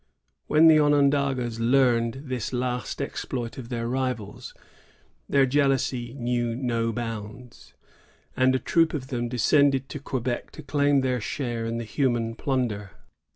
When the Onondagas learned this last exploit of their rivals, their jealousy knew no bounds, and a troop of them descended to Quebec to claim their share in the human plunder.